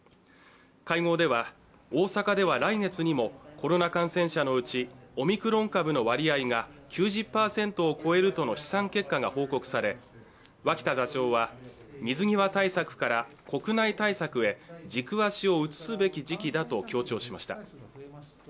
会合では、大阪では来月にもコロナ感染者のうちオミクロン株の割合が９０％を超えるとの試算結果が報告され脇田座長は水際対策から国内対策へ軸足を移すべき時期だと強調しました。